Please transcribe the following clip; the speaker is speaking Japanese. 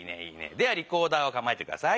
ではリコーダーをかまえてください。